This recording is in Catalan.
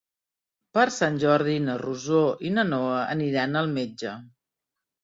Per Sant Jordi na Rosó i na Noa aniran al metge.